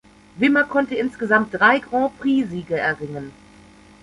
Wimmer konnte insgesamt drei Grand-Prix-Siege erringen.